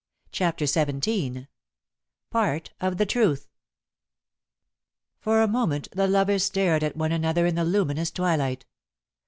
CHAPTER XVII PART OF THE TRUTH For a moment the lovers stared at one another in the luminous twilight.